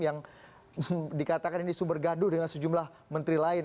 yang dikatakan ini sumber gaduh dengan sejumlah menteri lain